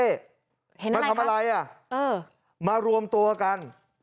เห็นอะไรครับมาทำอะไรมารวมตัวกัน